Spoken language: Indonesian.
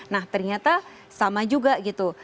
nah ternyata sama juga gitu